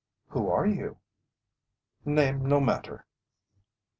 "Who are you?" "Name no matter."